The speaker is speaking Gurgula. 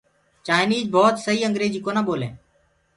چآئيٚنج ڀوت سئي اينگريجيٚ ڪونآ ٻولينٚ۔